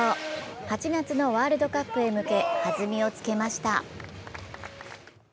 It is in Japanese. ８月のワールドカップへ向け弾みをつけました。